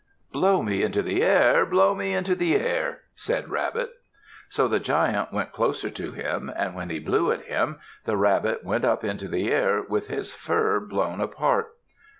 "Blow me into the air! Blow me into the air!" said Rabbit. So the Giant went closer to him, and when he blew at him the Rabbit went up into the air with his fur blown apart.